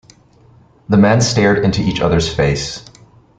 The men stared into each other's face.